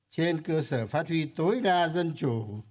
trên cơ sở phát huy tối đa dân chủ